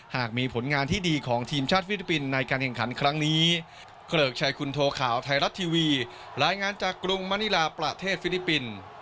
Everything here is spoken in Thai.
หากมีผลงานที่ดีของทีมชาติฟิลิปปินส์ในการแรงขันครั้งนี้